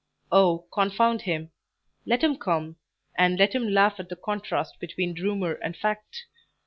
Oh, confound him! Let him come, and let him laugh at the contrast between rumour and fact.